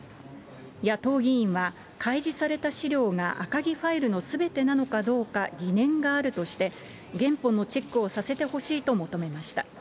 野党議員は、開示された資料が赤木ファイルのすべてなのかどうか疑念があるとして、原本のチェックをさせてほしいと求めました。